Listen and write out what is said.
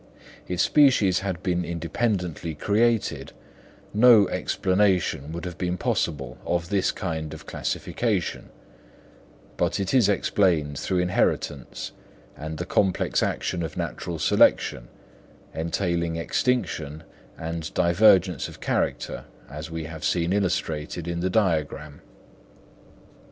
If species had been independently created, no explanation would have been possible of this kind of classification; but it is explained through inheritance and the complex action of natural selection, entailing extinction and divergence of character, as we have seen illustrated in the diagram.